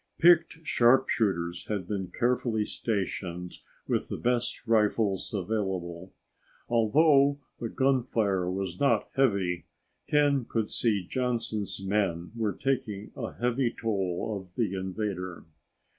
Picked sharpshooters had been carefully stationed with the best rifles available. Although the gunfire was not heavy, Ken could see Johnson's men were taking a heavy toll of the invader.